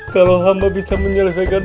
kalau hamba bisa menyelesaikan